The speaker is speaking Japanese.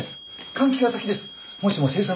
換気が先です。